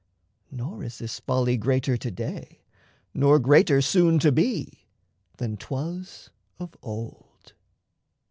Nor is this folly Greater to day, nor greater soon to be, Than' twas of old.